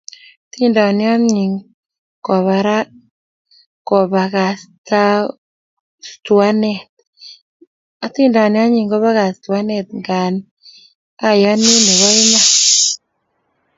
Atindoniat nyi kobakastuanet, nga ayani nebo iman